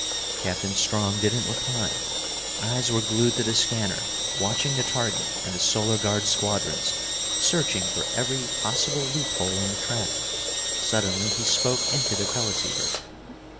Captain Strong didn't reply. Eyes were glued to the scanner, watching the target and the Solar Guard squadrons, searching for every possible loophole in the trap. Suddenly he spoke into the teleceiver.